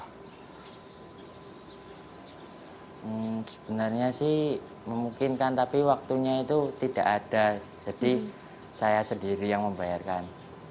hai neng sebenarnya sih memungkinkan tapi waktunya itu tidak ada jadi saya sendiri yang membayarkan